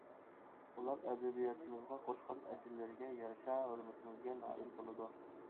ئۇلار ئەدەبىياتىمىزغا قوشقان ئەجىرلىرىگە يارىشا ھۆرمىتىمىزگە نائىل بولىدۇ.